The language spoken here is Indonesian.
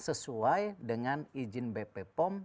sesuai dengan izin bp pom